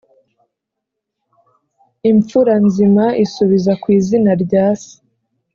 imfura nzima isubiza ku izina rya se,